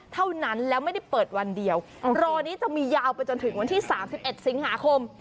เท่านั้นแล้วไม่ได้เปิดวันเดียวรอนี้จะมียาวไปจนถึงวันที่๓๑สิงหาคม